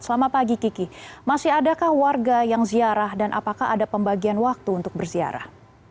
selamat pagi kiki masih adakah warga yang ziarah dan apakah ada pembagian waktu untuk berziarah